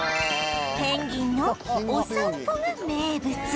ペンギンのお散歩が名物